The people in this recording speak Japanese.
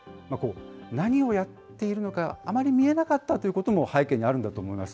何をやっているのか、あまり見えなかったということも背景にあるんだと思います。